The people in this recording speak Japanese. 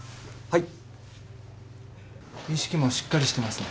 はい。